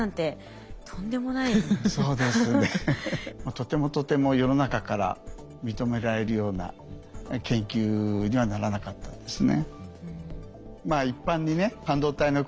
とてもとても世の中から認められるような研究にはならなかったんですね。